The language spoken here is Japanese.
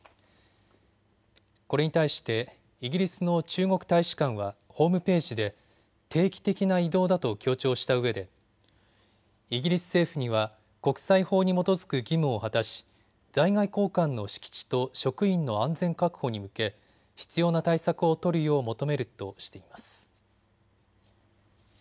これに対してイギリスの中国大使館はホームページで定期的な異動だと強調したうえでイギリス政府には国際法に基づく義務を果たし在外公館の敷地と職員の安全確保に向け必要な対策を取るよう求めるとしています。